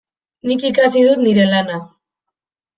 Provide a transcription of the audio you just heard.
Nik ikasi dut nire lana.